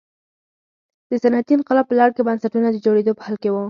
د صنعتي انقلاب په لړ کې بنسټونه د جوړېدو په حال کې وو.